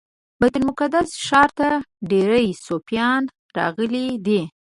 بیت المقدس ښار ته ډیری صوفیان راغلي دي.